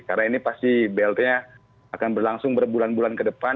karena ini pasti blt nya akan berlangsung berbulan bulan ke depan